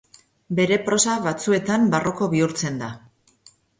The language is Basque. Bere prosa batzuetan barroko bihurtzen da.